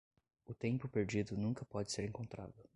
O tempo perdido nunca pode ser encontrado.